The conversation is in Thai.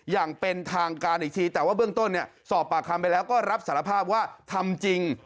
อย่างเป็นทางการอีกทีแต่ว่าเบื้องต้นเนี่ยสอบปากคำไปแล้วก็รับสารภาพว่าทำจริง